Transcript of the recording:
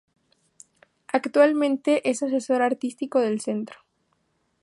Actualmente es asesor artístico del centro.